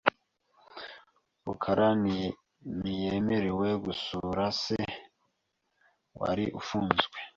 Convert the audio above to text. rukara ntiyemerewe gusura se wari ufunzwe .